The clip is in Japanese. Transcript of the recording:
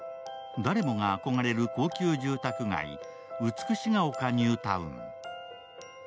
誰もが憧れる高級住宅街、美しが丘ニュータウン。